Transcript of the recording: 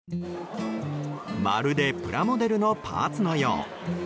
まるでプラモデルのパーツのよう。